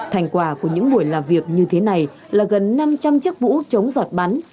thành quả của những buổi làm việc như thế này là gần năm trăm linh chiếc vũ chống giọt bắn